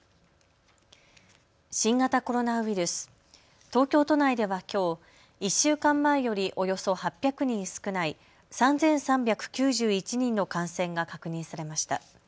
新型コロナウイルス、東京都内ではきょう１週間前よりおよそ８００人少ない３３９１人の感染が確認されました。